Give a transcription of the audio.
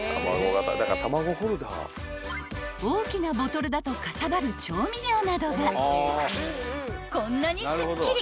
［大きなボトルだとかさばる調味料などがこんなにすっきり］